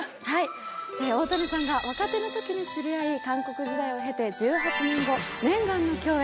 大谷さんが若手のときに知り合い、韓国時代を経て、１８年後、念願の共演。